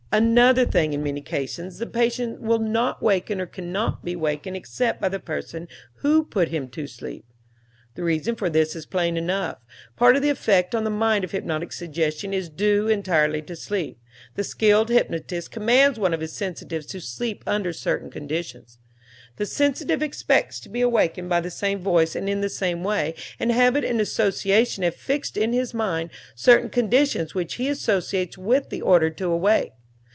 Another thing, in many cases the patient will not waken or cannot be wakened except by the person who put him to sleep. The reason for this is plain enough. Part of the effect on the mind of hypnotic suggestion is due entirely to sleep. The skilled hypnotist commands one of his sensitives to sleep under certain conditions. The sensitive expects to be awakened by the same voice and in the same way, and habit and association have fixed in his mind certain conditions which he associates with the order to awake.